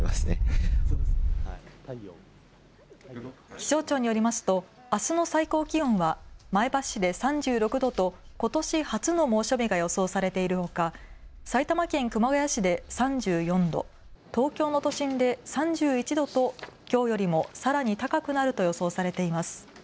気象庁によりますとあすの最高気温は前橋市で３６度とことし初の猛暑日が予想されているほか、埼玉県熊谷市で３４度、東京の都心で３１度ときょうよりもさらに高くなると予想されています。